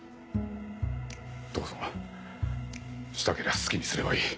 どうぞしたけりゃ好きにすればいい。